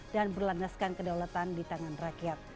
dan berlanggaskan kedaulatan di tangan rakyat